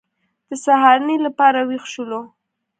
د سهارنۍ لپاره وېښ شولو.